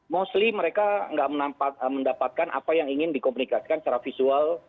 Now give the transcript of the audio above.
mostly mereka nggak mendapatkan apa yang ingin dikomunikasikan secara visual